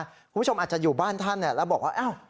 คุณผู้ชมอาจจะอยู่บ้านท่านแล้วบอกว่า